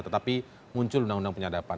tetapi muncul undang undang penyadapan